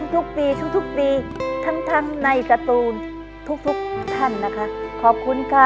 สิบอันดับ